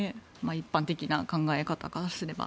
一般的な考え方からすれば。